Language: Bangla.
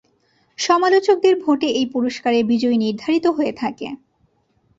সমালোচকদের ভোটে এই পুরস্কারের বিজয়ী নির্ধারিত হয়ে থাকে।